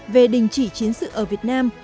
về đình chỉ chiến sự ở việt nam